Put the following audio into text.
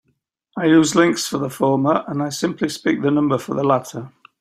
I use "links" for the former and I simply speak the number for the latter.